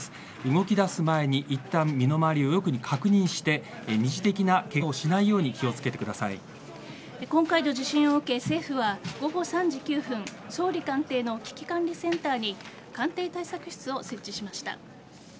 動き出す前にいったん身の回りをよく確認して二次的なケガをしないように今回の地震を受け政府は午後３時９分総理官邸の危機管理センターに官邸対策室を設置しました。